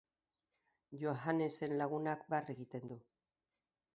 Johannesen lagunak barre egiten du.